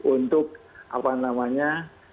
untuk apa namanya